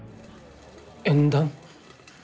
縁談？